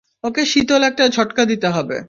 ওকে শীতল একটা ঝটকা দিতে হবে।